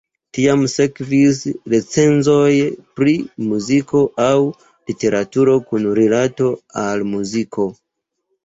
Tiam sekvis recenzoj pri muziko aŭ literaturo kun rilato al muziko.